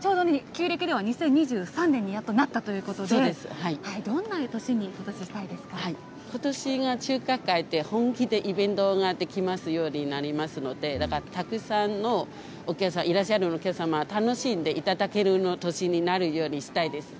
ちょうど旧暦では２０２３年にやっとなったということで、どんなことしが中華街で本気でイベントができますようになりますので、たくさんのお客さん、いらっしゃるお客様、楽しんでいただける年になるようにしたいです。